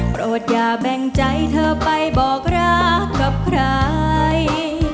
โปรดอย่าแบ่งใจเธอไปบอกรักกับใคร